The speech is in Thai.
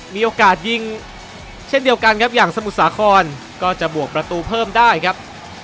มีโอกาสยิงเช่นเดียวกันครับอย่างสมุทรสาครก็จะบวกประตูเพิ่มได้ครับ